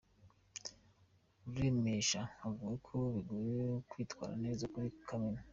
Ruremesha avuga ko bigoye kwitwara neza kuri Kamena.